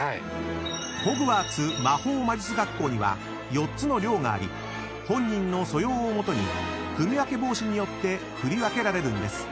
［ホグワーツ魔法魔術学校には４つの寮があり本人の素養を基に組分け帽子によって振り分けられるんです］